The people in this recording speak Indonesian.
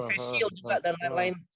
face shield juga dan lain lain